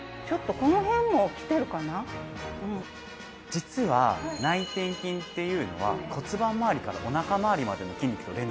実は内転筋っていうのは骨盤まわりからお腹まわりまでの筋肉と連動してるんです。